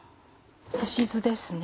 すし飯ですね。